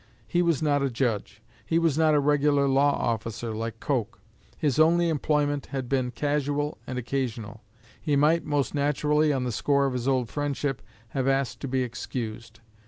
He was not a judge. He was not a regular law officer like Coke. His only employment had been casual and occasional. He might, most naturally, on the score of his old friendship, have asked to be excused.